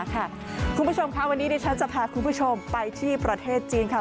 คุณผู้ชมค่ะวันนี้ดิฉันจะพาคุณผู้ชมไปที่ประเทศจีนค่ะ